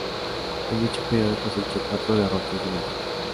En dicho periodo cosechó cuatro derrotas y un empate.